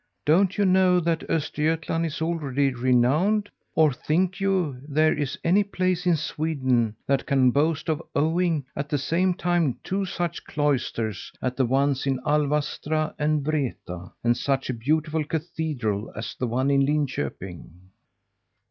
'Don't you know that Östergötland is already renowned? Or think you there is any place in Sweden that can boast of owning, at the same time, two such cloisters as the ones in Alvastra and Vreta, and such a beautiful cathedral as the one in Linköping?'